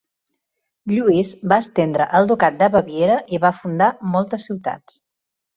Lluís va estendre el ducat de Baviera i va fundar moltes ciutats.